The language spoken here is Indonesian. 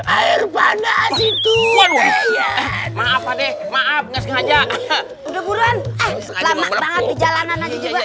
air panas itu maaf aja maaf nggak sengaja udah buruan lama banget di jalanan aja juga